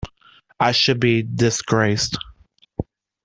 I should be disgraced.